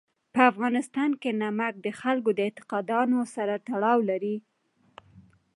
په افغانستان کې نمک د خلکو د اعتقاداتو سره تړاو لري.